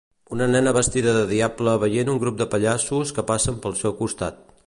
Una nena vestida de diable veient un grup de pallassos que passen pel seu costat.